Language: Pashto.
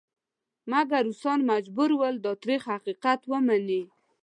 مګر روسان مجبور ول دا تریخ حقیقت ومني.